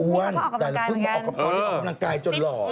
อ้วนแต่พึ่งออกกำลังกายจนหล่อ